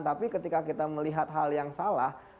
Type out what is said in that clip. tapi ketika kita melihat hal yang salah